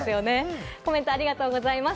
コメントありがとうございます。